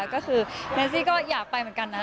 ก็คือเมซี่ก็อยากไปเหมือนกันนะ